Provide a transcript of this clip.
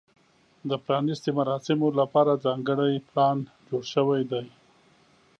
د پرانیستې مراسمو لپاره ځانګړی پلان جوړ شوی دی.